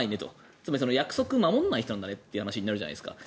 つまり約束を守らない人なんだねという話になるじゃないですか。